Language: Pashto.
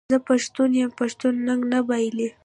زه پښتون یم پښتون ننګ نه بایلي.